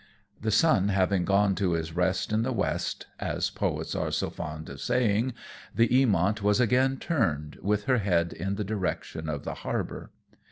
The sun having gone to his rest in the west (as poets are so fond of saying), the Eamont was again turned, with her head in the direction of the harbour.